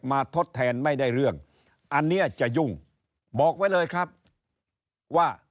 ทดแทนไม่ได้เรื่องอันนี้จะยุ่งบอกไว้เลยครับว่า